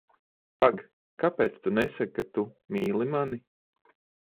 Paga, kāpēc tu nesaki, ka tu mīli mani?